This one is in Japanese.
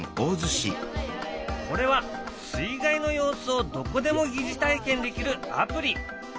これは水害の様子をどこでも疑似体験できるアプリ。